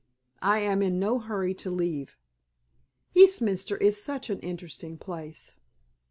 I am in no hurry to leave. Eastminster is such an interesting place!"